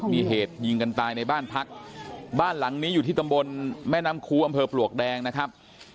มีเหตุยิงกันตายในบ้านพักบ้านหลังนี้อยู่ที่ตำบลแม่น้ำคูอำเภอปลวกแดงนะครับ